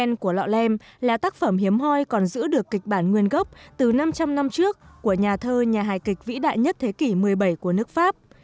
nét của lọ lem là tác phẩm hiếm hoi còn giữ được kịch bản nguyên gốc từ năm trăm linh năm trước của nhà thơ nhà hài kịch vĩ đại nhất thế kỷ một mươi bảy của nước pháp